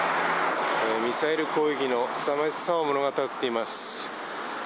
ミサイル攻撃のすさまじさを物語っています。